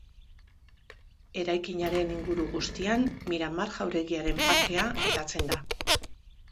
Eraikinaren inguru guztian Miramar jauregiaren parkea hedatzen da.